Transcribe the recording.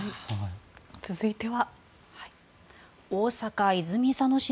続いては。